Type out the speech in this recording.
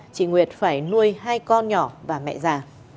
chị nguyệt phải nuôi hai con nhỏ và mẹ già